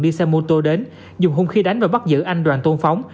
đi xe mô tô đến dùng hung khi đánh và bắt giữ anh đoàn tôn phóng